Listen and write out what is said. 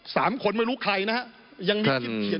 สามคนไม่รู้ใครนะฮะยังมีคลิปเขียน